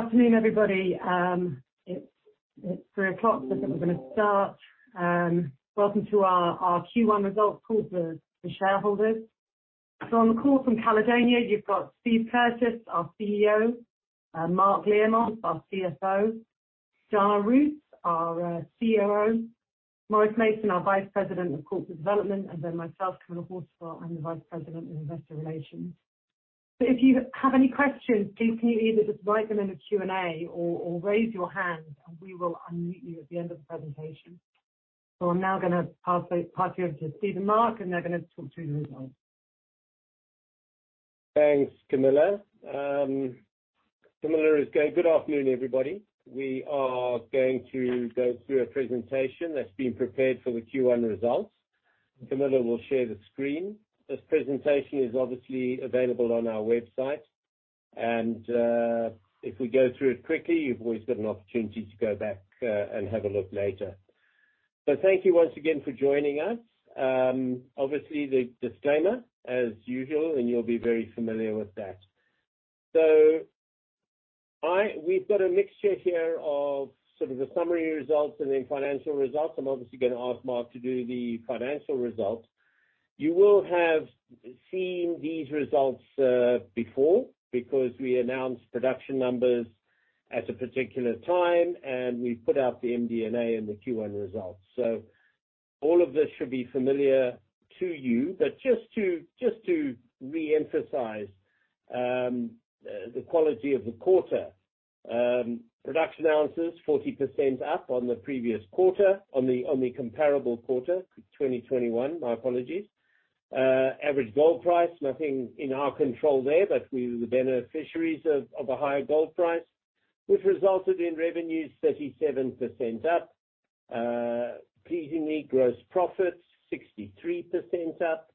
Good afternoon, everybody. It's three o'clock, so I think we're gonna start. Welcome to our Q1 results call for shareholders. On the call from Caledonia, you've got Steve Curtis, our CEO, Mark Learmonth, our CFO, Dana Roets, our COO, Maurice Mason, our Vice President of Corporate Development, and then myself, Camilla Horsfall. I'm the Vice President of Investor Relations. If you have any questions, please can you either just write them in the Q&A or raise your hand and we will unmute you at the end of the presentation. I'm now gonna pass you over to Steve and Mark, and they're gonna talk to you about it. Thanks, Camilla. Good afternoon, everybody. We are going to go through a presentation that's been prepared for the Q1 results. Camilla will share the screen. This presentation is obviously available on our website. If we go through it quickly, you've always got an opportunity to go back and have a look later. Thank you once again for joining us. Obviously the disclaimer as usual, and you'll be very familiar with that. We've got a mixture here of sort of the summary results and then financial results. I'm obviously gonna ask Mark to do the financial results. You will have seen these results before because we announced production numbers at a particular time, and we put out the MD&A in the Q1 results. All of this should be familiar to you. Just to re-emphasize the quality of the quarter. Production ounces 40% up on the comparable quarter, 2021, my apologies. Average gold price, nothing in our control there, but we were the beneficiaries of a higher gold price, which resulted in revenues 37% up. Pleasingly gross profits 63% up,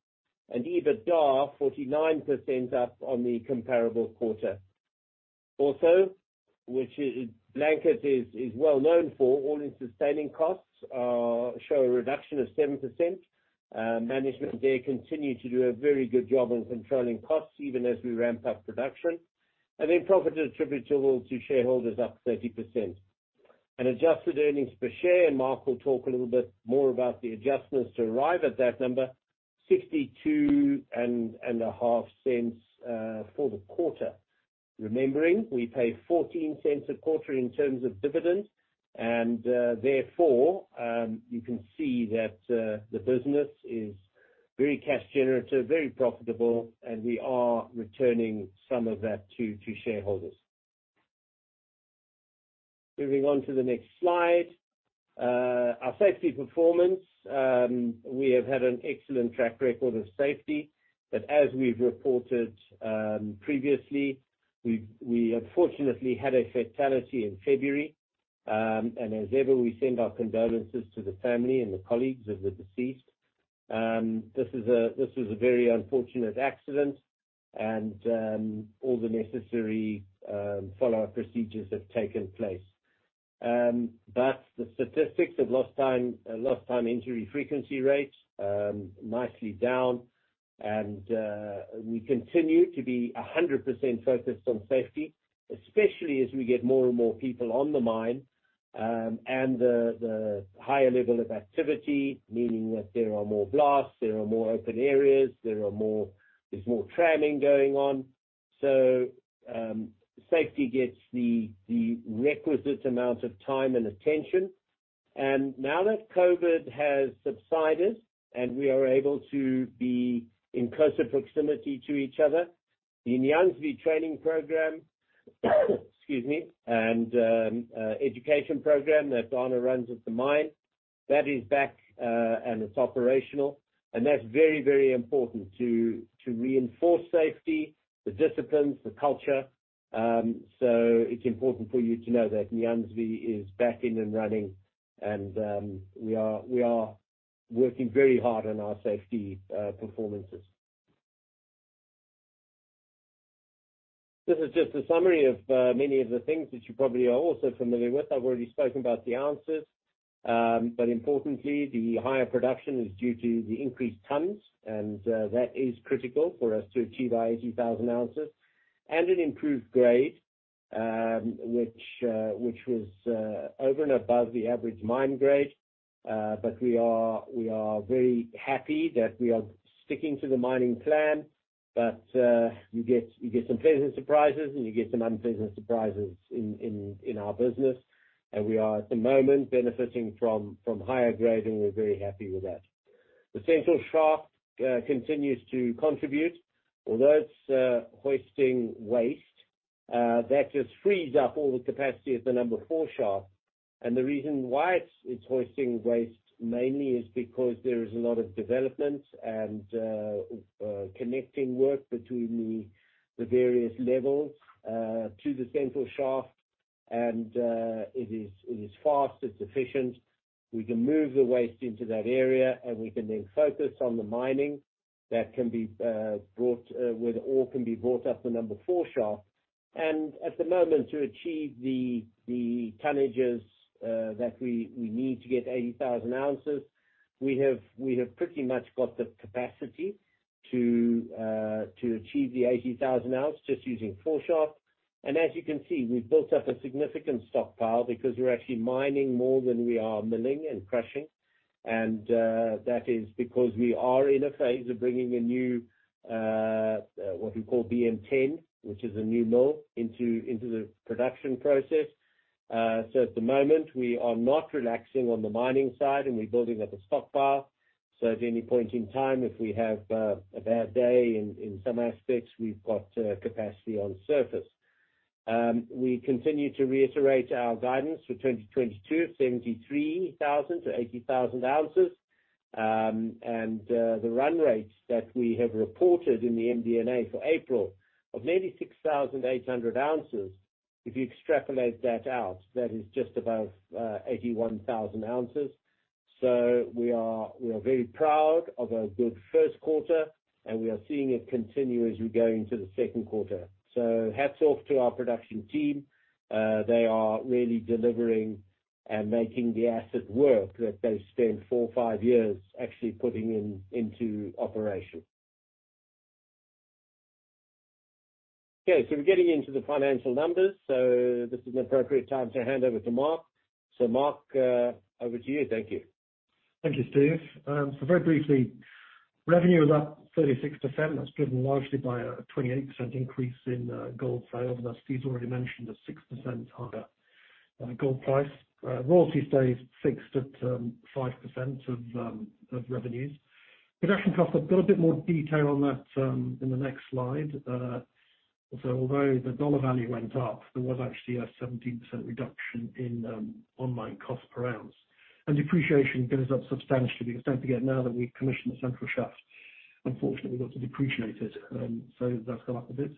and EBITDA 49% up on the comparable quarter. Also, Blanket is well known for all-in sustaining costs show a reduction of 7%. Management there continue to do a very good job on controlling costs even as we ramp up production. Then profit attributable to shareholders up 30%. Adjusted earnings per share, and Mark will talk a little bit more about the adjustments to arrive at that number, $0.625 for the quarter. Remembering we pay $0.14 a quarter in terms of dividends and therefore you can see that the business is very cash generative, very profitable, and we are returning some of that to shareholders. Moving on to the next slide. Our safety performance, we have had an excellent track record of safety. As we've reported previously, we unfortunately had a fatality in February. And as ever, we send our condolences to the family and the colleagues of the deceased. This is a very unfortunate accident and all the necessary follow-up procedures have taken place. The statistics of lost time injury frequency rates nicely down. We continue to be 100% focused on safety, especially as we get more and more people on the mine and the higher level of activity, meaning that there are more blasts, there are more open areas, there's more tramming going on. Safety gets the requisite amount of time and attention. Now that COVID has subsided and we are able to be in closer proximity to each other, the Nyanzvi training program and education program that Dana runs at the mine is back and it's operational. That's very, very important to reinforce safety, the disciplines, the culture. It's important for you to know that Nyanzvi is back in and running and we are working very hard on our safety performances. This is just a summary of many of the things that you probably are also familiar with. I've already spoken about the ounces, but importantly, the higher production is due to the increased tonnes, and that is critical for us to achieve our 80,000 ounces. An improved grade, which was over and above the average mine grade. We are very happy that we are sticking to the mining plan. You get some pleasant surprises, and you get some unpleasant surprises in our business. We are, at the moment, benefiting from higher grade, and we're very happy with that. The Central Shaft continues to contribute. Although it's hoisting waste, that just frees up all the capacity of the No. 4 shaft. The reason why it's hoisting waste mainly is because there is a lot of development and connecting work between the various levels to the Central Shaft. It is fast, it's efficient. We can move the waste into that area, and we can then focus on the mining that can be brought where the ore can be brought up the No. 4 shaft. At the moment, to achieve the tonnages that we need to get 80,000 ounces. We have pretty much got the capacity to achieve the 80,000 ounce just using No. 4 shaft. As you can see, we've built up a significant stockpile because we're actually mining more than we are milling and crushing. That is because we are in a phase of bringing a new what we call BM Ten, which is a new mill into the production process. At the moment, we are not relaxing on the mining side, and we're building up a stockpile. At any point in time, if we have a bad day in some aspects, we've got capacity on surface. We continue to reiterate our guidance for 2022 of 73,000 ounces-80,000 ounces. The run rates that we have reported in the MD&A for April of 96,800 ounces, if you extrapolate that out, that is just about 81,000 ounces. We are very proud of a good first quarter, and we are seeing it continue as we go into the second quarter. Hats off to our production team. They are really delivering and making the asset work that they've spent four or five years actually putting into operation. Okay, we're getting into the financial numbers. This is an appropriate time to hand over to Mark. Mark, over to you. Thank you. Thank you, Steve. Very briefly, revenue is up 36%. That's driven largely by a 28% increase in gold sales. As Steve's already mentioned, 6% higher gold price. Royalty stays fixed at 5% of revenues. Production costs, I've got a bit more detail on that in the next slide. Although the dollar value went up, there was actually a 17% reduction in all-in cost per ounce. Depreciation goes up substantially because don't forget, now that we commissioned the Central Shaft, unfortunately, we've got to depreciate it. That's gone up a bit.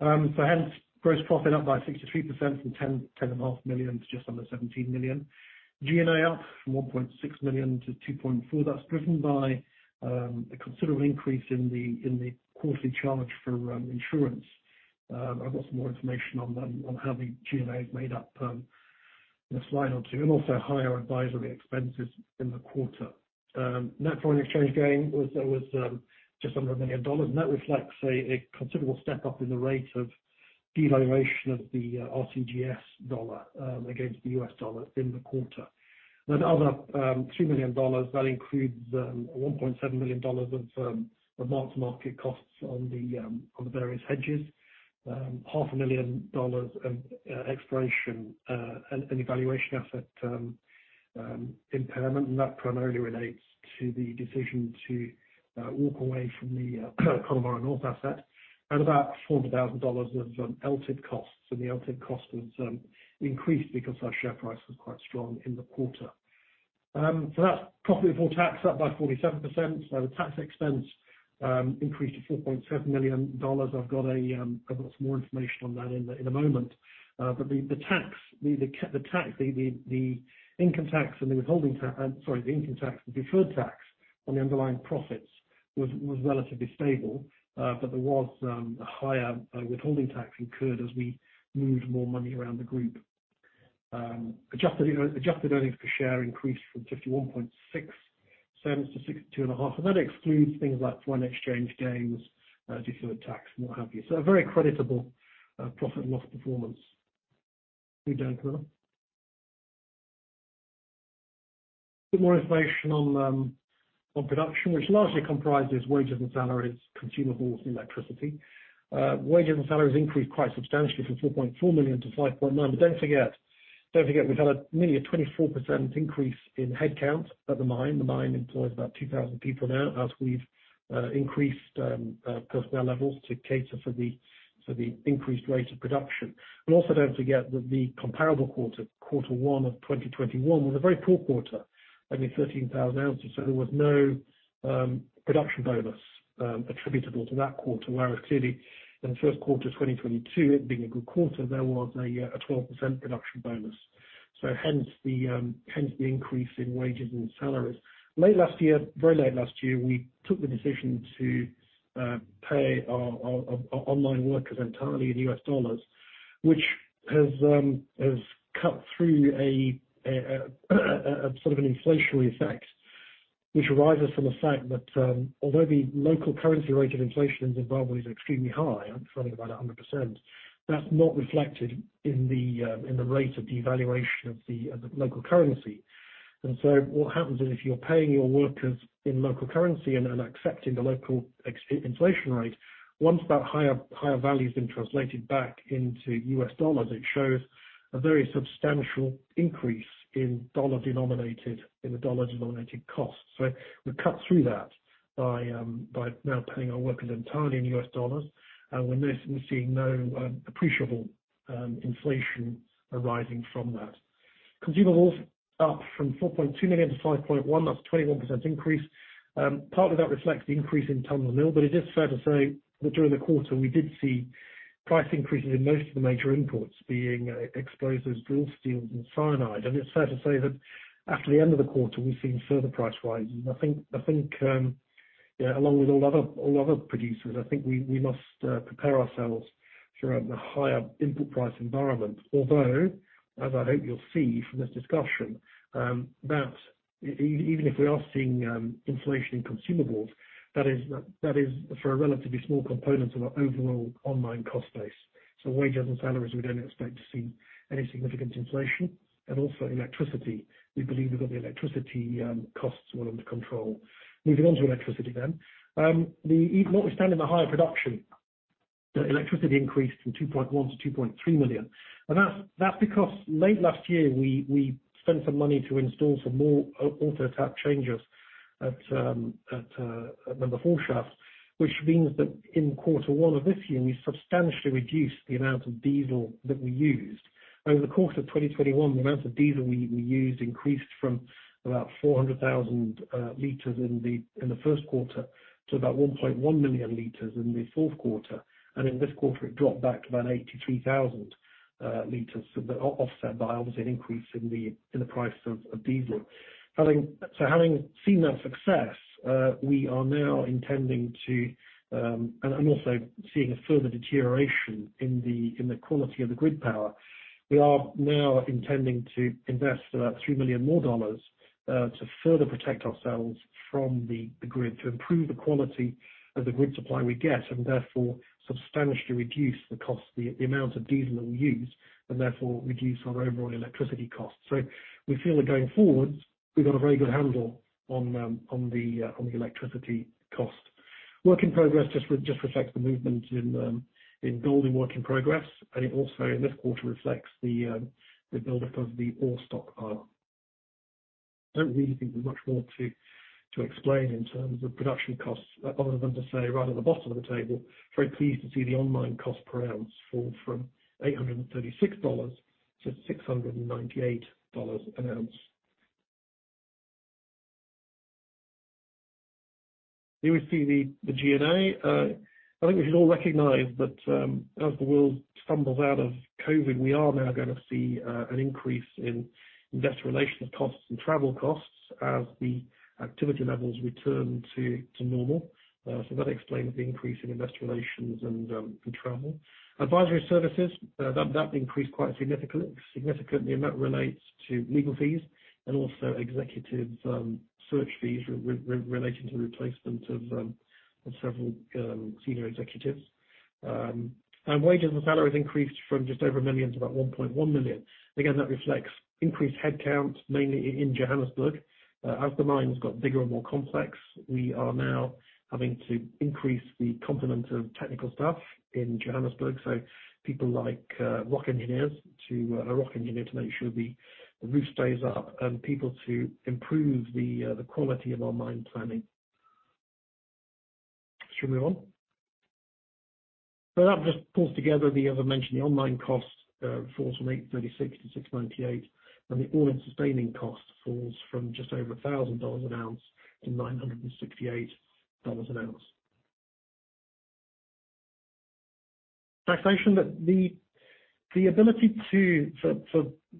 Hence gross profit up by 63% from $10.5 million to just under $17 million. G&A up from $1.6 million to $2.4 million. That's driven by a considerable increase in the quarterly charge for insurance. I've got some more information on them, on how the G&A is made up in a slide or two, and also higher advisory expenses in the quarter. Net foreign exchange gain was just under $1 million. Net reflects a considerable step up in the rate of devaluation of the RTGS dollar against the U.S. dollar in the quarter. Other $3 million, that includes $1.7 million of mark-to-market costs on the various hedges, half a million dollars of exploration and evaluation asset impairment. That primarily relates to the decision to walk away from the Connemara North asset, and about $400,000 of LTIP costs. The LTIP cost was increased because our share price was quite strong in the quarter. That's profit before tax up by 47%. The tax expense increased to $4.7 million. I've got lots more information on that in a moment. The income tax and deferred tax on the underlying profits was relatively stable. There was a higher withholding tax incurred as we moved more money around the group. Adjusted earnings per share increased from $0.516 to $0.625. That excludes things like foreign exchange gains, deferred tax and what have you. A very creditable profit and loss performance. Two down, Camilla. Bit more information on production, which largely comprises wages and salaries, consumables, electricity. Wages and salaries increased quite substantially from $4.4 million to $5.9 million. Don't forget we've had nearly a 24% increase in head count at the mine. The mine employs about 2,000 people now as we've increased personnel levels to cater for the increased rate of production. Also don't forget that the comparable quarter one of 2021, was a very poor quarter, only 13,000 ounces. There was no production bonus attributable to that quarter. Whereas clearly in the first quarter of 2022, it being a good quarter, there was a 12% production bonus. Hence the increase in wages and salaries. Late last year, very late last year, we took the decision to pay our online workers entirely in U.S. dollars, which has cut through a sort of an inflationary effect, which arises from the fact that although the local currency rate of inflation in Zimbabwe is extremely high, I'm talking about 100%, that's not reflected in the rate of devaluation of the local currency. What happens is if you're paying your workers in local currency and accepting the local hyperinflation rate, once that higher value has been translated back into U.S. dollars, it shows a very substantial increase in dollar-denominated costs. We cut through that by now paying our workers entirely in U.S. dollars. We're seeing no appreciable inflation arising from that. Consumables up from $4.2 million-$5.1 million, that's a 21% increase. Partly that reflects the increase in tonnage milled, but it is fair to say that during the quarter, we did see price increases in most of the major imports being explosives, drill steel and cyanide. It's fair to say that after the end of the quarter, we've seen further price rises. I think, yeah, along with a lot of producers, I think we must prepare ourselves for a higher input price environment. Although, as I hope you'll see from this discussion, that even if we are seeing inflation in consumables, that is for a relatively small component of our overall all-in cost base. Wages and salaries, we don't expect to see any significant inflation. Also electricity, we believe we've got the electricity costs well under control. Moving on to electricity then. Notwithstanding the higher production, the electricity increased from $2.1 million to $2.3 million. That's because late last year we spent some money to install some more auto tap changers at No. 4 Shaft, which means that in quarter one of this year, we substantially reduced the amount of diesel that we used. Over the course of 2021, the amount of diesel we used increased from about 400,000 L in the first quarter to about 1.1 million L in the fourth quarter. In this quarter, it dropped back to about 83,000 L. Offset by obviously an increase in the price of diesel. Having seen that success, we are now intending to, and also seeing a further deterioration in the quality of the grid power. We are now intending to invest about $3 million more dollars to further protect ourselves from the grid, to improve the quality of the grid supply we get, and therefore substantially reduce the cost, the amount of diesel that we use, and therefore reduce our overall electricity costs. We feel that going forward, we've got a very good handle on the electricity cost. Work in progress just reflects the movement in gold in work in progress. It also in this quarter reflects the build-up of the ore stockpile. I don't really think there's much more to explain in terms of production costs, other than to say, right at the bottom of the table, very pleased to see the all-in cost per ounce fall from $836-$698 an ounce. Here we see the G&A. I think we should all recognize that, as the world stumbles out of COVID, we are now gonna see an increase in investor relations costs and travel costs as the activity levels return to normal. So that explains the increase in investor relations and travel. Advisory services that increased quite significantly, and that relates to legal fees and also executive search fees relating to replacement of several senior executives. Wages and salaries increased from just over $1 million to about $1.1 million. Again, that reflects increased headcount, mainly in Johannesburg. As the mine's got bigger and more complex, we are now having to increase the complement of technical staff in Johannesburg. People like rock engineers to a rock engineer to make sure the roof stays up and people to improve the quality of our mine planning. Should we move on? That just pulls together the other mentioned all-in costs, falls from $836-$698, and the all-in sustaining cost falls from just over $1,000 an ounce-$968 an ounce. Taxation, the ability for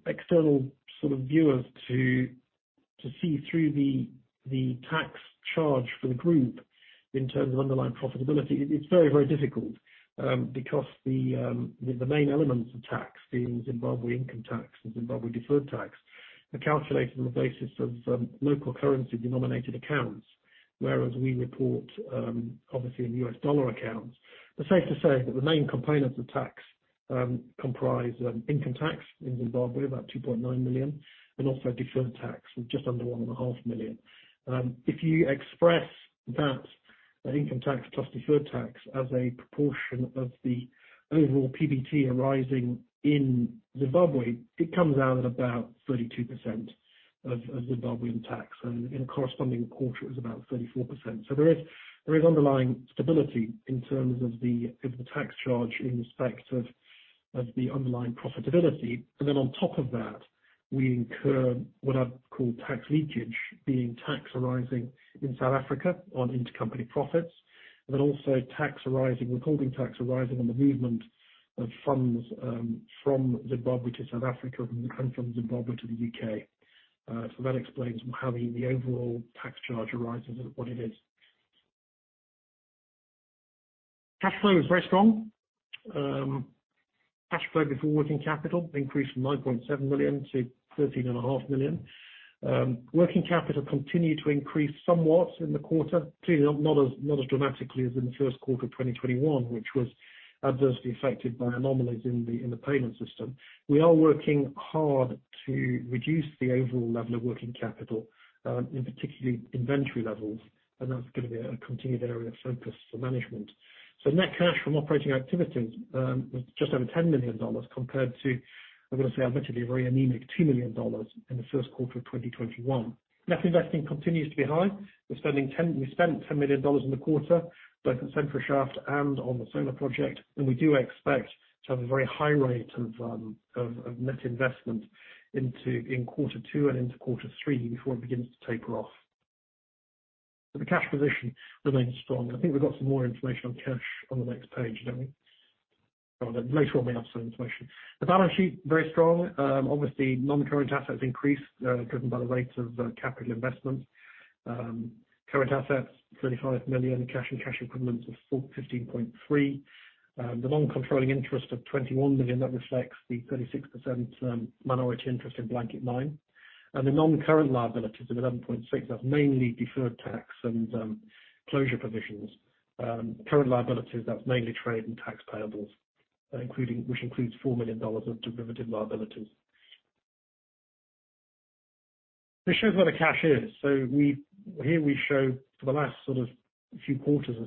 external sort of viewers to see through the tax charge for the group in terms of underlying profitability, it's very difficult, because the main elements of tax, the Zimbabwe income tax and Zimbabwe deferred tax, are calculated on the basis of local currency denominated accounts, whereas we report obviously in U.S. dollar accounts. Safe to say that the main components of tax comprise income tax in Zimbabwe, about $2.9 million, and also deferred tax of just under $1.5 million. If you express that income tax plus deferred tax as a proportion of the overall PBT arising in Zimbabwe, it comes out at about 32% of Zimbabwean tax and in a corresponding quarter it was about 34%. There is underlying stability in terms of the tax charge in respect of the underlying profitability. Then on top of that, we incur what I'd call tax leakage, being tax arising in South Africa on intercompany profits, but also recording tax arising on the movement of funds from Zimbabwe to South Africa and from Zimbabwe to the U.K. That explains how the overall tax charge arises and what it is. Cash flow is very strong. Cash flow before working capital increased from $9.7 million to $13.5 million. Working capital continued to increase somewhat in the quarter. Clearly not as dramatically as in the first quarter of 2021, which was adversely affected by anomalies in the payment system. We are working hard to reduce the overall level of working capital, in particular inventory levels, and that's gonna be a continued area of focus for management. Net cash from operating activities was just over $10 million compared to, I'm gonna say admittedly a very anemic $2 million in the first quarter of 2021. Net investing continues to be high. We spent $10 million in the quarter, both at Central Shaft and on the solar project, and we do expect to have a very high rate of net investment in quarter two and into quarter three before it begins to taper off. The cash position remains strong. I think we've got some more information on cash on the next page, don't we? Later on we have some information. The balance sheet, very strong. Obviously non-current assets increased, driven by the rates of capital investments. Current assets, $35 million. Cash and cash equivalents of $15.3 million. The non-controlling interest of $21 million, that reflects the 36% minority interest in Blanket Mine. The non-current liabilities of $11.6 million, that's mainly deferred tax and closure provisions. Current liabilities, that's mainly trade and tax payables, which includes $4 million of derivative liabilities. This shows where the cash is. Here we show for the last sort of few quarters or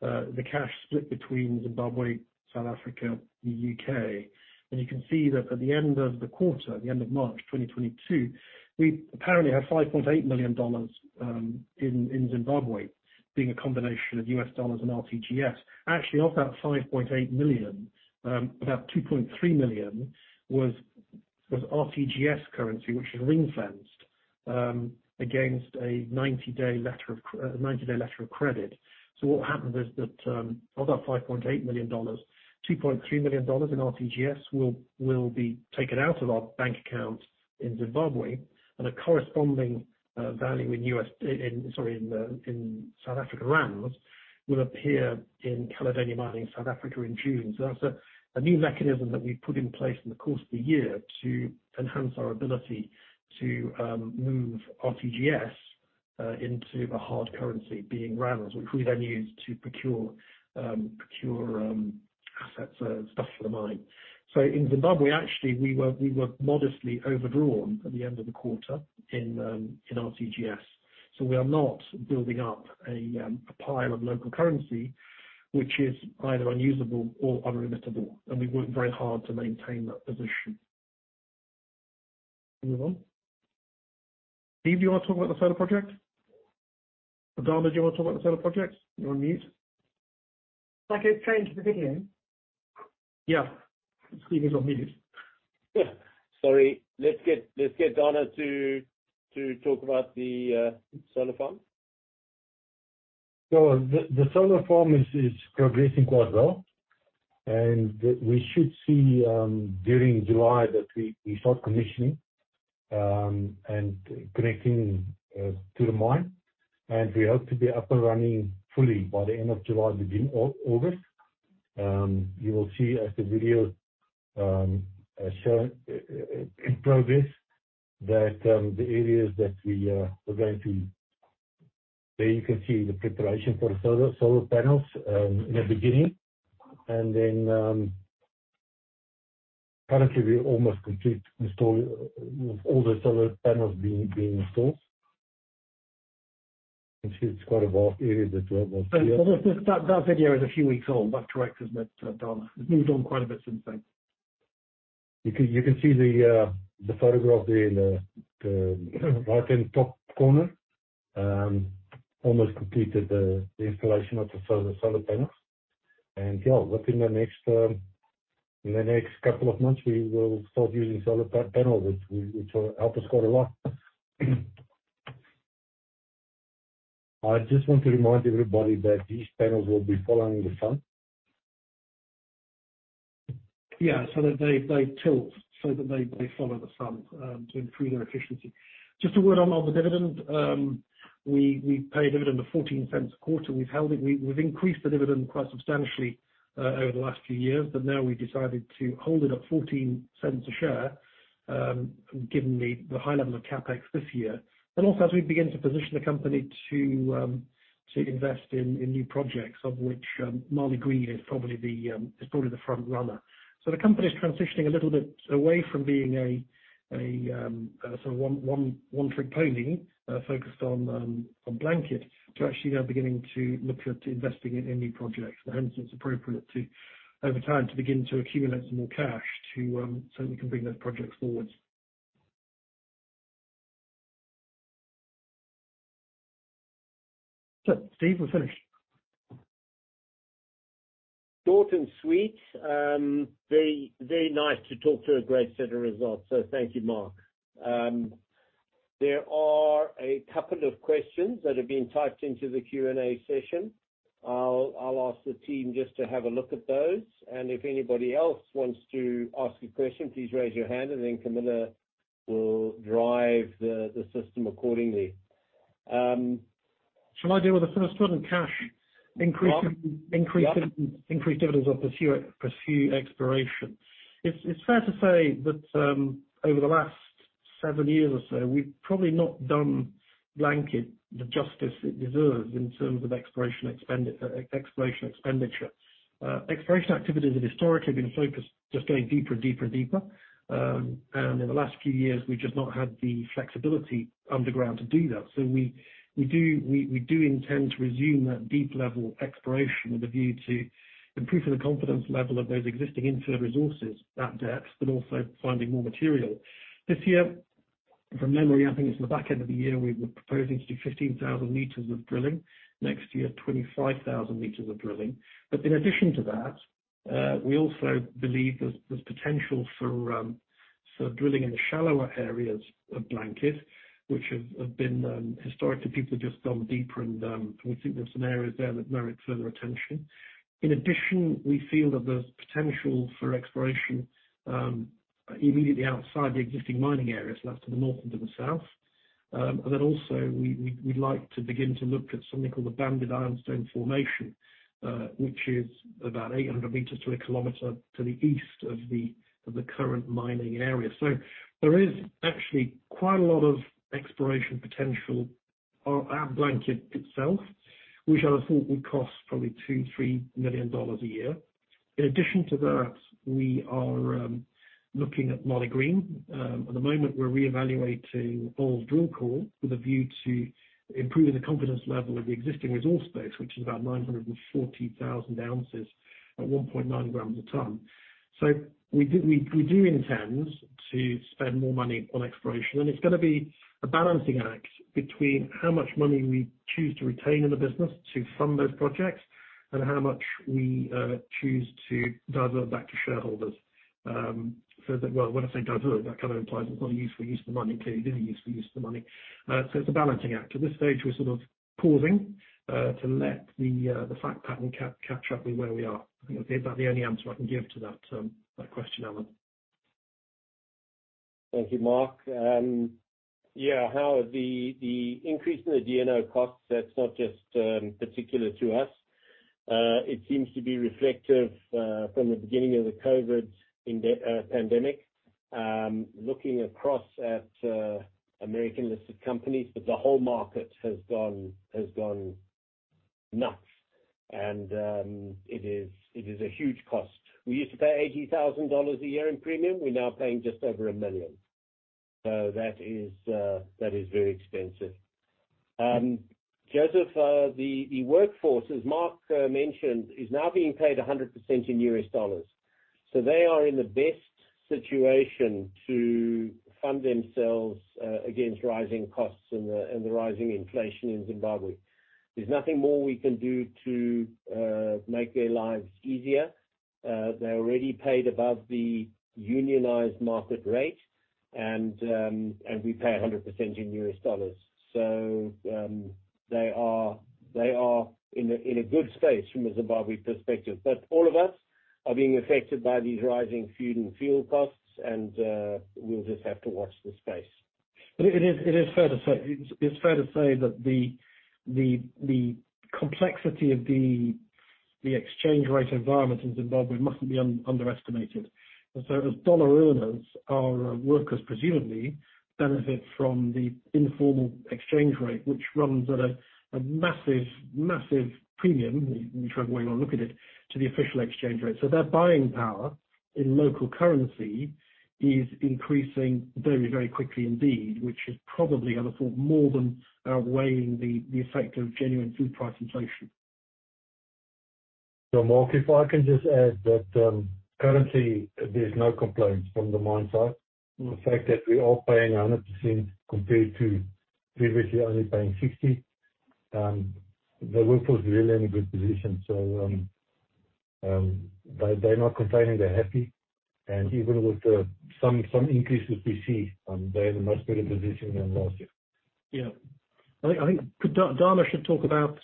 so, the cash split between Zimbabwe, South Africa, and the U.K. You can see that at the end of the quarter, at the end of March 2022, we apparently have $5.8 million in Zimbabwe, being a combination of U.S. dollars and RTGS. Actually, of that $5.8 million, about $2.3 million was RTGS currency, which is ring-fenced against a 90-day letter of credit. What happens is that, of that $5.8 million, $2.3 million in RTGS will be taken out of our bank account in Zimbabwe and a corresponding value in South African rand will appear in Caledonia Mining South Africa in June. That's a new mechanism that we've put in place in the course of the year to enhance our ability to move RTGS into a hard currency, being rands, which we then use to procure assets, stuff for the mine. In Zimbabwe, actually we were modestly overdrawn at the end of the quarter in RTGS. We are not building up a pile of local currency which is either unusable or unremittable, and we work very hard to maintain that position. Move on. Steve, do you wanna talk about the solar project? Or Dana, do you wanna talk about the solar project? You're on mute. Okay, change the video. Yeah. Steve is on mute. Sorry. Let's get Dana to talk about the solar farm. The solar farm is progressing quite well. We should see during July that we start commissioning and connecting to the mine. We hope to be up and running fully by the end of July, beginning of August. You will see as the video shows in progress that the areas that we're going to. There you can see the preparation for the solar panels in the beginning. Then currently we're almost complete installation with all the solar panels being installed. You can see it's quite a vast area that was cleared. That video is a few weeks old, but correct, isn't it, Dana? It's moved on quite a bit since then. You can see the photograph there in the right-hand top corner. Almost completed the installation of the solar panels. Yeah, in the next couple of months we will start using solar panel which will help us quite a lot. I just want to remind everybody that these panels will be following the sun. They tilt so that they follow the sun to improve their efficiency. Just a word on the dividend. We pay a dividend of $0.14 a quarter. We've held it. We've increased the dividend quite substantially over the last few years, but now we've decided to hold it at $0.14 a share, given the high level of CapEx this year. Also as we begin to position the company to invest in new projects, of which Maligreen is probably the front runner. The company is transitioning a little bit away from being a sort of one-trick pony focused on Blanket, to actually now beginning to look at investing in new projects. Hence, it's appropriate to, over time, to begin to accumulate some more cash to, so we can bring those projects forwards. Steve, we're finished. Short and sweet. Very nice to talk to a great set of results. Thank you, Mark. There are a couple of questions that have been typed into the Q&A session. I'll ask the team just to have a look at those. If anybody else wants to ask a question, please raise your hand, and then Camilla will drive the system accordingly. Shall I deal with the first one? Mark? Yeah. Increase dividends or pursue exploration. It's fair to say that over the last seven years or so, we've probably not done Blanket the justice it deserves in terms of exploration expenditure. Exploration activities have historically been focused just going deeper. In the last few years, we've just not had the flexibility underground to do that. We do intend to resume that deep level exploration with a view to improving the confidence level of those existing inferred resources at depth, but also finding more material. This year, from memory, I think it's in the back end of the year, we've been proposing to do 15,000 m of drilling. Next year, 25,000 m of drilling. In addition to that, we also believe there's potential for drilling in the shallower areas of Blanket, which have been historically people have just gone deeper and we think there are some areas there that merit further attention. In addition, we feel that there's potential for exploration immediately outside the existing mining areas, so that's to the north and to the south. Also, we'd like to begin to look at something called the Banded Ironstone Formation, which is about 800 m to 1 km to the east of the current mining area. There is actually quite a lot of exploration potential at Blanket itself, which I thought would cost probably $2 million-$3 million a year. In addition to that, we are looking at Maligreen. At the moment, we're reevaluating all drill core with a view to improving the confidence level of the existing resource base, which is about 940,000 ounces at 1.9 g a ton. We do intend to spend more money on exploration. It's gonna be a balancing act between how much money we choose to retain in the business to fund those projects and how much we choose to divert back to shareholders. When I say divert, that kind of implies it's not a useful use of the money. Clearly, it is a useful use of the money. It's a balancing act. At this stage, we're sort of pausing to let the fact pattern catch up with where we are. I think that's about the only answer I can give to that question, Alan. Thank you, Mark. Yeah, the increase in the D&O costs, that's not just particular to us. It seems to be reflective from the beginning of the COVID pandemic. Looking across at American-listed companies, the whole market has gone nuts, and it is a huge cost. We used to pay $80,000 a year in premium. We're now paying just over $1 million. That is very expensive. Joseph, the workforce, as Mark mentioned, is now being paid 100% in U.S. dollars. They are in the best situation to fund themselves against rising costs and the rising inflation in Zimbabwe. There's nothing more we can do to make their lives easier. They're already paid above the unionized market rate, and we pay 100% in U.S. dollars. They are in a good space from a Zimbabwe perspective. All of us are being affected by these rising food and fuel costs, and we'll just have to watch the space. It is fair to say that the complexity of the exchange rate environment in Zimbabwe mustn't be underestimated. As dollar earners, our workers presumably benefit from the informal exchange rate, which runs at a massive premium, whichever way you want to look at it, to the official exchange rate. Their buying power in local currency is increasing very quickly indeed, which is probably, I would thought, more than outweighing the effect of genuine food price inflation. Mark, if I can just add that, currently there's no complaints from the mine site. The fact that we are paying 100% compared to previously only paying 60%, the workforce is really in a good position. They're not complaining, they're happy. Even with the some increases we see, they're in a much better position than last year. Yeah. I think Dana Roets should talk about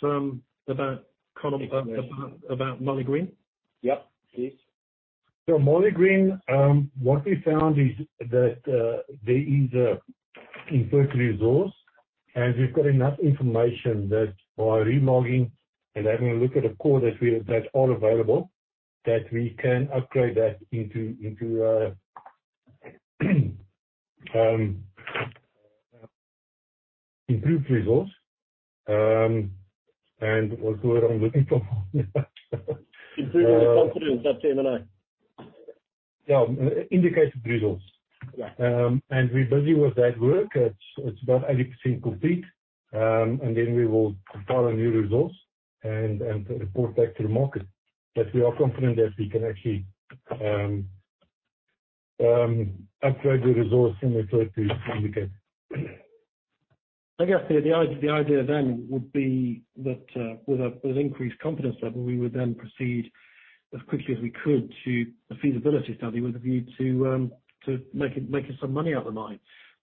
economy, about Maligreen. Yep, please. Maligreen, what we found is that there is a inferred resource, and we've got enough information that by re-logging and having a look at a core that we have that's all available, that we can upgrade that into an improved resource. What's the word I'm looking for? Improving the confidence, that's M and I. Yeah. Indicated resource. Yeah. We're busy with that work. It's about 80% complete. Then we will compile a new resource and report back to the market. We are confident that we can actually upgrade the resource from inferred to indicated. I guess the idea then would be that, with increased confidence level, we would then proceed as quickly as we could to a feasibility study with a view to making some money out of the mine.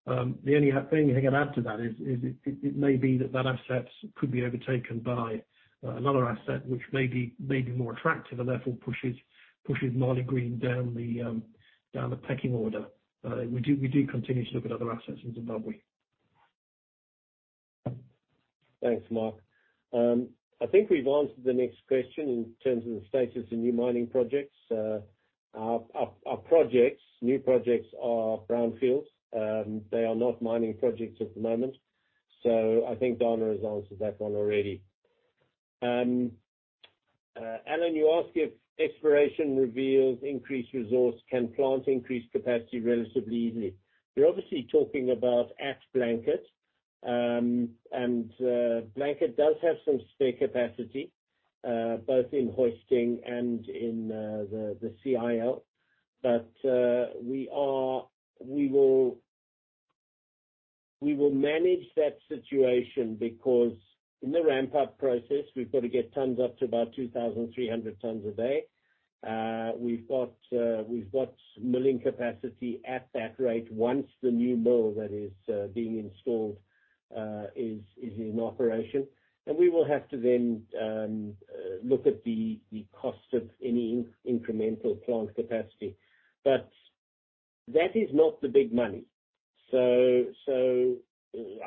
The only thing I can add to that is it may be that that asset could be overtaken by another asset which may be more attractive and therefore pushes Maligreen down the pecking order. We do continue to look at other assets in Zimbabwe. Thanks, Mark. I think we've answered the next question in terms of the status of new mining projects. Our new projects are brownfields. They are not mining projects at the moment. I think Dana has answered that one already. Alan, you ask if exploration reveals increased resource, can plant increase capacity relatively easily? You're obviously talking about Blanket. Blanket does have some spare capacity both in hoisting and in the CIL. We will manage that situation because in the ramp-up process, we've got to get tons up to about 2,300 tons a day. We've got milling capacity at that rate once the new mill that is being installed is in operation. We will have to then look at the cost of any incremental plant capacity. That is not the big money.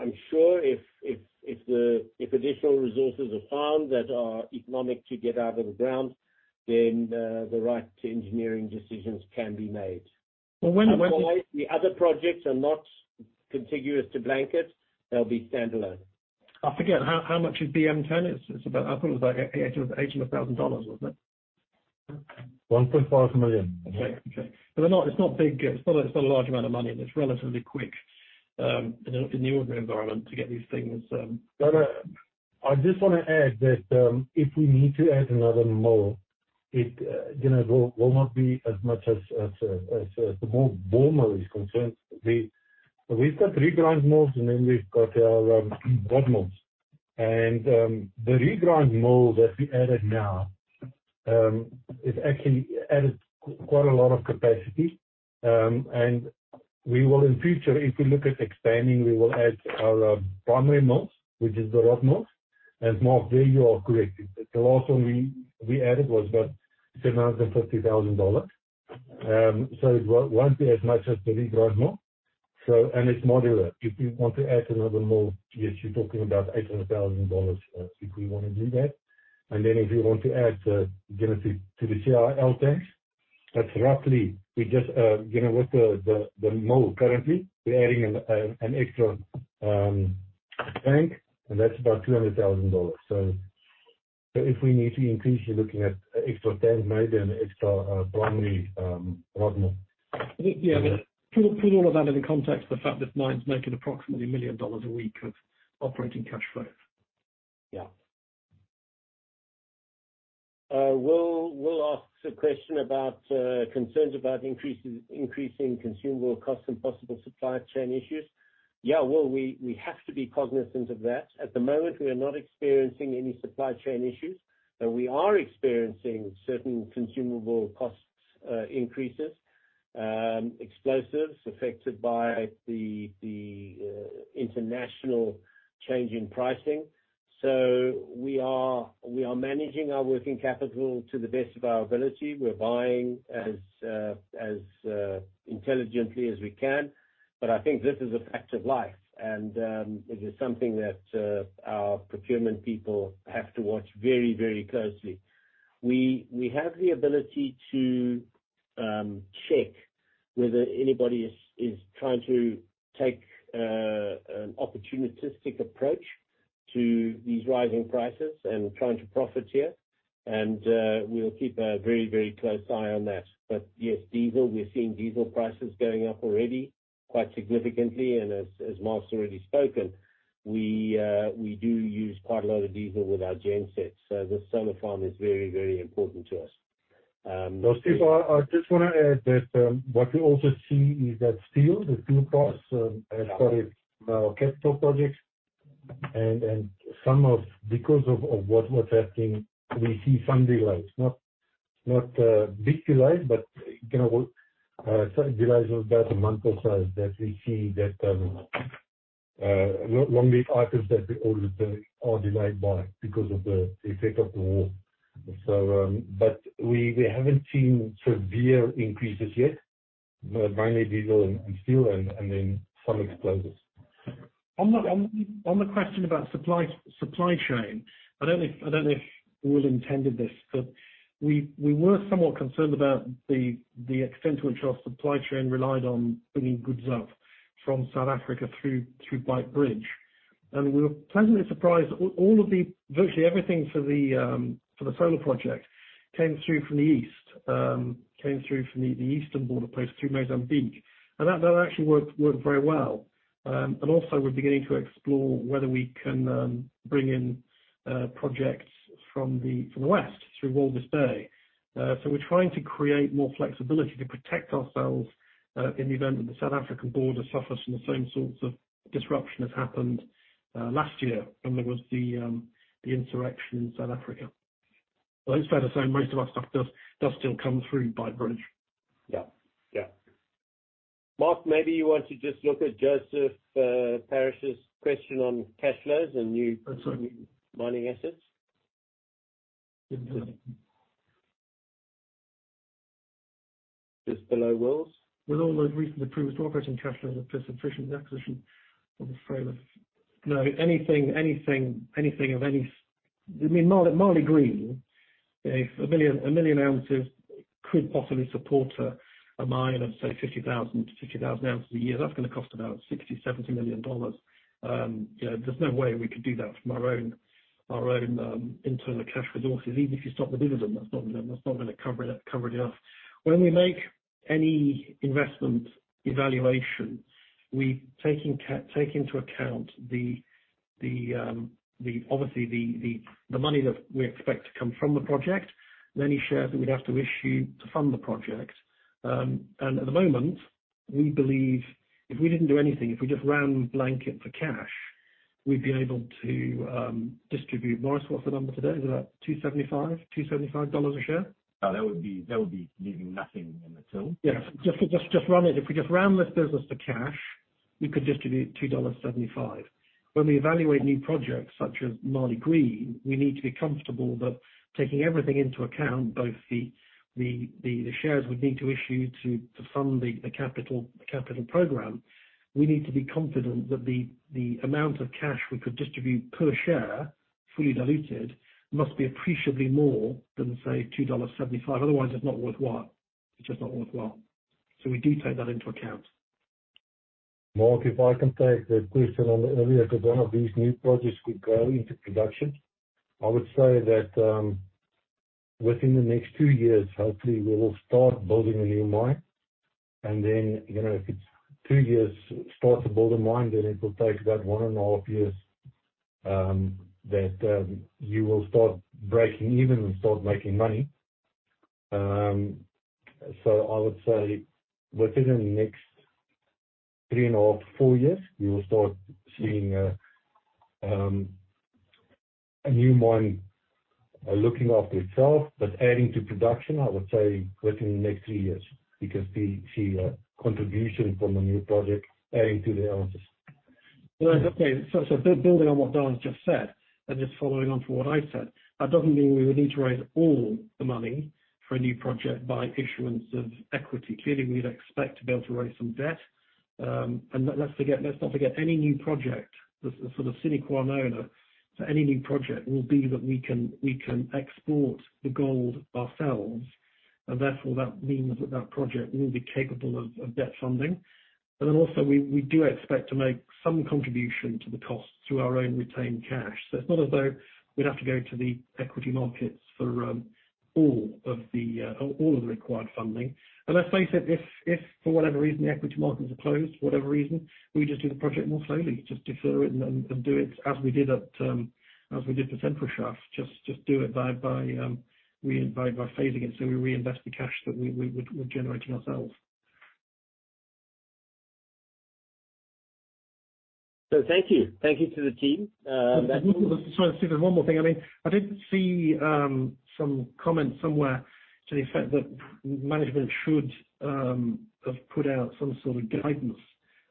I'm sure if additional resources are found that are economic to get out of the ground, then the right engineering decisions can be made. But when- Otherwise, the other projects are not contiguous to Blanket. They'll be standalone. I forget, how much is BM Ten? It's about, I thought it was like $800,000, wasn't it? $1.5 million. Okay. It's not big. It's not a large amount of money, and it's relatively quick in the northern environment to get these things. I just wanna add that if we need to add another mill, it, you know, will not be as much as the ball mill is concerned. We've got regrind mills, and then we've got our rod mills. The regrind mill that we added now, it actually added quite a lot of capacity. We will in future, if we look at expanding, we will add our primary mills, which is the rod mills. Mark, there you are correct. The last one we added was about $750,000. It won't be as much as the regrind mill. It's modular. If you want to add another mill, yes, you're talking about $800,000 if we wanna do that. If you want to add, you know, to the CIL tanks, that's roughly. We just, you know, with the mill currently, we're adding an extra tank, and that's about $200,000. If we need to increase, you're looking at extra 10 maybe and extra primary rod mill. Yeah. Put all of that into context, the fact that mine's making approximately $1 million a week of operating cash flow. Yeah. Will asks a question about concerns about increasing consumable costs and possible supply chain issues. Yeah, Will, we have to be cognizant of that. At the moment, we are not experiencing any supply chain issues, but we are experiencing certain consumable costs increases, explosives affected by the international change in pricing. We are managing our working capital to the best of our ability. We're buying as intelligently as we can. I think this is a fact of life and it is something that our procurement people have to watch very closely. We have the ability to check whether anybody is trying to take an opportunistic approach to these rising prices and trying to profit here. We'll keep a very close eye on that. Yes, diesel, we're seeing diesel prices going up already quite significantly. As Mark's already spoken, we do use quite a lot of diesel with our gen sets. This solar farm is very, very important to us. No, Steve, I just wanna add that what we also see is that steel, the steel price, has started to affect our capital projects. Because of what was happening, we see some delays. Not big delays, but you know, some delays of about a month or so that the long lead items that we ordered are delayed because of the effect of the war. But we haven't seen severe increases yet, but mainly diesel and steel and then some explosives. On the question about supply chain, I don't know if Will intended this, but we were somewhat concerned about the extent to which our supply chain relied on bringing goods up from South Africa through Beitbridge. We were pleasantly surprised, virtually everything for the solar project came through from the east, from the eastern border post through Mozambique. That actually worked very well. Also we're beginning to explore whether we can bring in projects from the west through Walvis Bay. We're trying to create more flexibility to protect ourselves in the event that the South African border suffers from the same sorts of disruption that happened last year when there was the insurrection in South Africa. It's fair to say most of our stuff does still come through Beitbridge. Yeah. Mark, maybe you want to just look at Joseph Parrish's question on cash flows and new- That's right. mining assets. Mm-hmm. Just below Will's. With all those recently approved operating cash flows. At the moment, we believe if we didn't do anything, if we just ran Blanket for cash, we'd be able to distribute. Maurice, what's the number today? Is it about $275? $275 a share? That would be leaving nothing in the till. Yes. Just run it. If we just ran this business for cash, we could distribute $2.75. When we evaluate new projects such as Maligreen, we need to be comfortable that taking everything into account, both the shares we'd need to issue to fund the capital program. We need to be confident that the amount of cash we could distribute per share, fully diluted, must be appreciably more than, say, $2.75. Otherwise, it's not worthwhile. It's just not worthwhile. We do take that into account. Mark, if I can take that question on earlier, because one of these new projects could go into production. I would say that, within the next two years, hopefully we will start building a new mine. Then, you know, if it's two years start to build a mine, then it will take about one and a half years, you will start breaking even and start making money. I would say within the next three and a half, four years, we will start seeing, a new mine, looking after itself. Adding to production, I would say within the next three years, we can see a contribution from a new project adding to the others. Well, okay. Building on what Dana's just said, and just following on from what I said, that doesn't mean we would need to raise all the money for a new project by issuance of equity. Clearly, we'd expect to be able to raise some debt. Let's not forget any new project for the Zimbabwean owner. Any new project will be that we can export the gold ourselves, and therefore that means that project will be capable of debt funding. Then also we do expect to make some contribution to the cost through our own retained cash. It's not as though we'd have to go to the equity markets for all of the required funding. Let's face it, if for whatever reason, the equity markets are closed, for whatever reason, we just do the project more slowly, just defer it and do it as we did for Central Shaft. Just do it by phasing it, so we reinvest the cash that we're generating ourselves. Thank you. Thank you to the team. Sorry, there's one more thing. I mean, I did see some comments somewhere to the effect that management should have put out some sort of guidance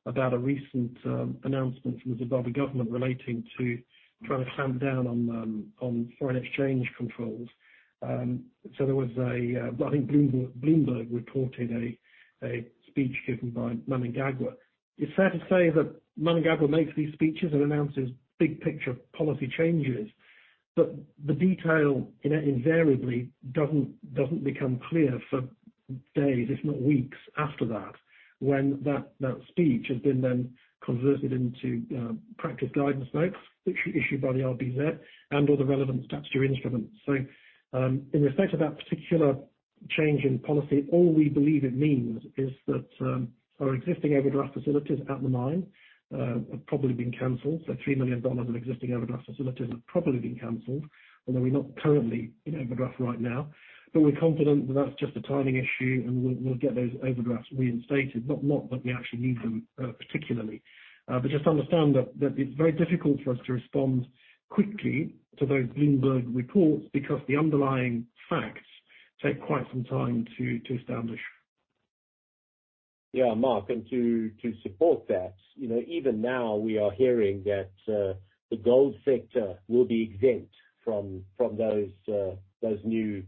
about a recent announcement from the Zimbabwe government relating to trying to clamp down on foreign exchange controls. There was I think Bloomberg reported a speech given by Mnangagwa. It's fair to say that Mnangagwa makes these speeches and announces big picture policy changes, but the detail invariably doesn't become clear for days, if not weeks after that, when that speech has been then converted into practical guidance notes issued by the RBZ and/or the relevant statutory instruments. In respect of that particular change in policy, all we believe it means is that our existing overdraft facilities at the mine have probably been canceled. $3 million of existing overdraft facilities have probably been canceled, although we're not currently in overdraft right now. We're confident that that's just a timing issue, and we'll get those overdrafts reinstated. Not that we actually need them, particularly. Just understand that it's very difficult for us to respond quickly to those Bloomberg reports because the underlying facts take quite some time to establish. Yeah, Mark. To support that, you know, even now we are hearing that the gold sector will be exempt from those new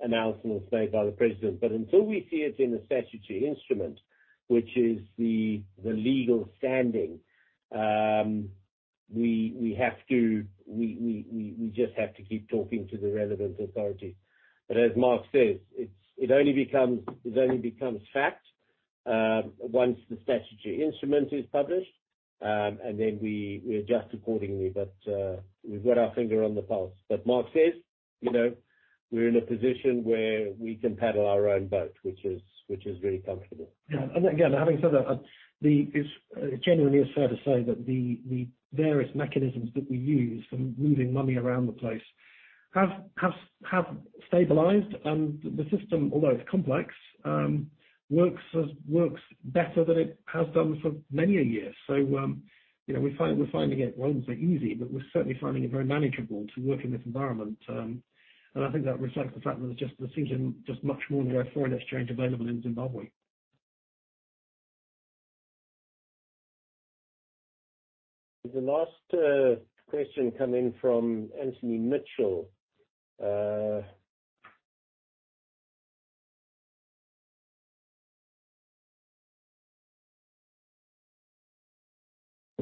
announcements made by the president. Until we see it in the Statutory Instrument, which is the legal standing, we just have to keep talking to the relevant authorities. As Mark says, it only becomes fact once the Statutory Instrument is published, and then we adjust accordingly. We've got our finger on the pulse. Mark says, you know, we're in a position where we can paddle our own boat, which is very comfortable. Having said that, it genuinely is fair to say that the various mechanisms that we use for moving money around the place have stabilized. The system, although it's complex, works better than it has done for many a year. You know, we're finding it, well, not easy, but we're certainly finding it very manageable to work in this environment. I think that reflects the fact that there just seems to be much more foreign exchange available in Zimbabwe. The last question coming from Anthony Mitchell.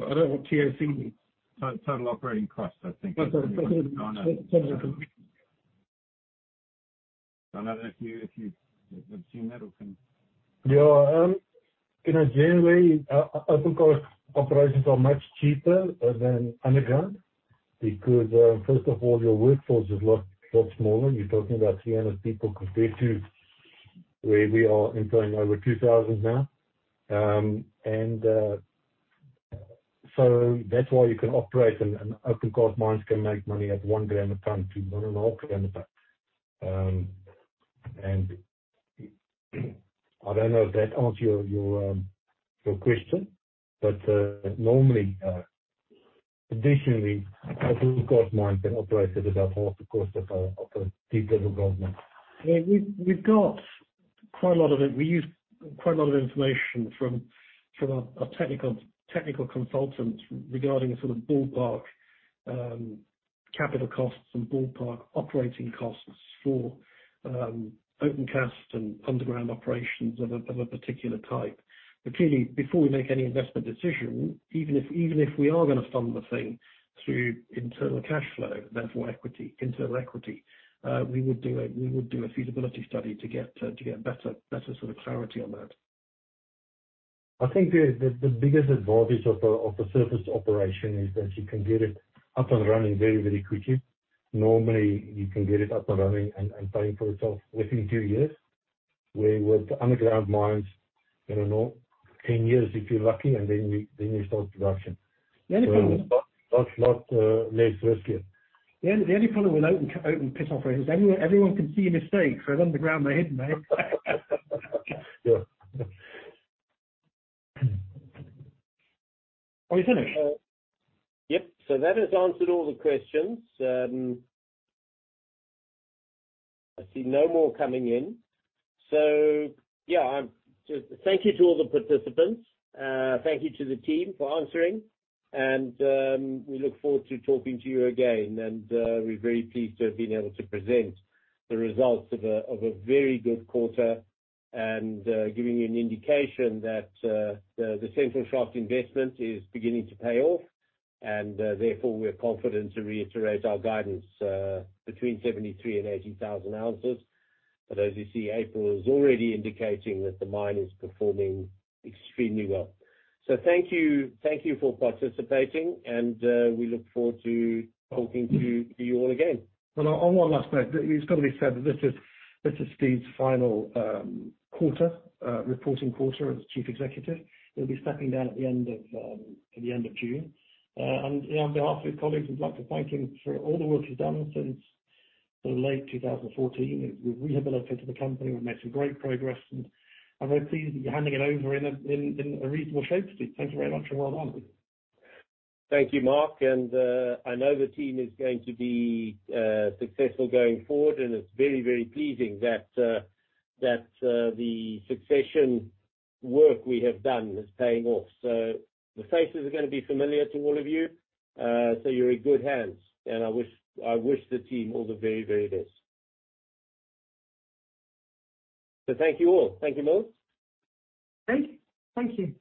I don't know what TOC means. Total operating costs, I think. Okay. Dana, if you have seen that or can- Yeah. You know, generally, open pit operations are much cheaper than underground because, first of all, your workforce is a lot smaller. You're talking about 300 people compared to where we are employing over 2,000 now. That's why you can operate and open gold mines can make money at 1 g a ton to 1.5 g a ton. I don't know if that answers your question, but normally, traditionally, open gold mines can operate at about half the cost of a deep level goldmine. Yeah. We've got quite a lot of it. We use quite a lot of information from a technical consultant regarding a sort of ballpark capital costs and ballpark operating costs for open cast and underground operations of a particular type. Clearly, before we make any investment decision, even if we are gonna fund the thing through internal cash flow, therefore equity, internal equity, we would do a feasibility study to get better sort of clarity on that. I think the biggest advantage of a surface operation is that you can get it up and running very quickly. Normally, you can get it up and running and paying for itself within two years. Where with underground mines, I don't know, 10 years if you're lucky, and then you start production. The only problem. It's lot less riskier. The only problem with open pit operations, everyone can see your mistakes, where underground, they're hidden. Yeah. Yeah. Are we finished? Yep. That has answered all the questions. I see no more coming in. Thank you to all the participants. Thank you to the team for answering, and we look forward to talking to you again. We're very pleased to have been able to present the results of a very good quarter and giving you an indication that the Central Shaft investment is beginning to pay off. Therefore, we're confident to reiterate our guidance between 73,000 ounces and 80,000 ounces. As you see, April is already indicating that the mine is performing extremely well. Thank you, thank you for participating, and we look forward to talking to you all again. It's gotta be said that this is Steve's final quarter reporting quarter as Chief Executive. He'll be stepping down at the end of June. On behalf of his colleagues, we'd like to thank him for all the work he's done since the late 2014. We've rehabilitated the company. We've made some great progress, and I'm very pleased that you're handing it over in a reasonable shape, Steve. Thank you very much and well done. Thank you, Mark. I know the team is going to be successful going forward, and it's very, very pleasing that the succession work we have done is paying off. The faces are gonna be familiar to all of you, so you're in good hands. I wish the team all the very, very best. Thank you all. Thank you, Mark. Thank you.